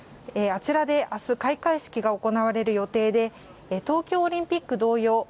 あちらで明日、開会式が行われる予定で東京オリンピック同様